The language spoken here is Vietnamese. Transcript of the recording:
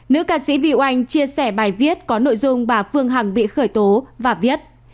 nữ ca sĩ bi oanh chia sẻ bài viết có nội dung bà phương hằng bị khởi tố và viết